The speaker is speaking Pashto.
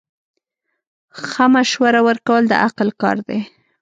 ښه مشوره ورکول د عقل کار دی.